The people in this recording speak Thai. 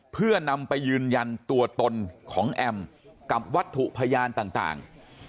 เพื่อนำไปยืนยันตัวตนของแอมกับวัตถุพยานต่าง